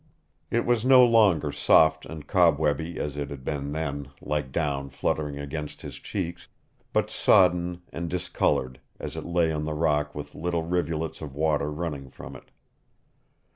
It was no longer soft and cobwebby as it had been then, like down fluttering against his cheeks, but sodden and discolored, as it lay on the rock with little rivulets of water running from it.